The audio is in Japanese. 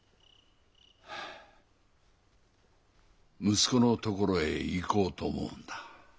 息子のところへ行こうと思うんだ。